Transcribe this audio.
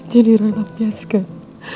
jadi roy lapiaskan